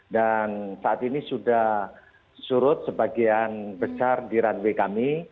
dan saat ini sudah surut sebagian besar di runway kami